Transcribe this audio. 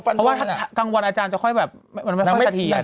เพราะว่ากลางวันอาจารย์จะค่อยแบบมันไม่ค่อยขาดเหียน